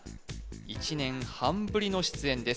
１年半ぶりの出演です